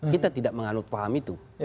kita tidak menganut paham itu